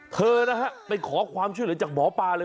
เธอนะฮะไปขอความช่วยเหลือจากหมอปลาเลย